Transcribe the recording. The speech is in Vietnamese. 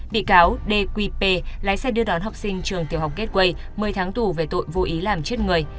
bị cáo dqp lái xe đưa đón học sinh trường tiểu học gateway một mươi tháng tù về tội vô ý làm chết người